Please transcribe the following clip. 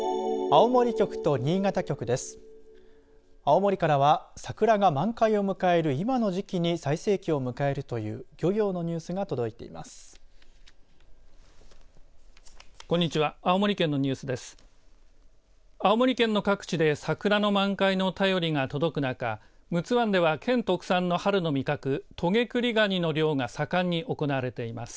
青森からは桜が満開を迎える今の時期に最盛期を迎えるという漁業のニュースが届いています。